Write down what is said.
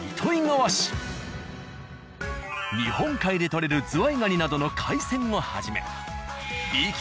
日本海で取れるズワイガニなどの海鮮をはじめ。